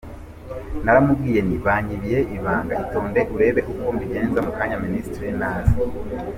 Naramubwiye nti banyibiye ibanga itonde urebe uko mbigenza mu kanya ministre naza.